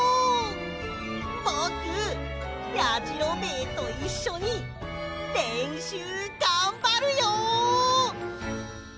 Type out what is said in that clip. ぼくやじろべえといっしょにれんしゅうがんばるよ！